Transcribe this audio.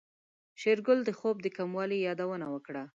شېرګل د خوب د کموالي يادونه وکړه.